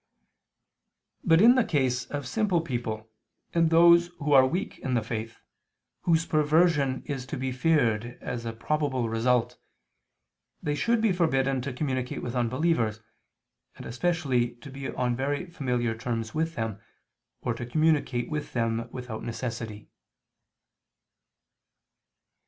But in the case of simple people and those who are weak in the faith, whose perversion is to be feared as a probable result, they should be forbidden to communicate with unbelievers, and especially to be on very familiar terms with them, or to communicate with them without necessity.